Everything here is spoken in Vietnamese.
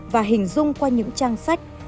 và hình dung qua những trang sách